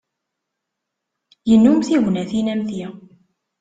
Yennum tignatin am ti.